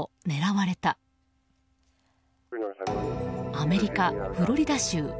アメリカ・フロリダ州。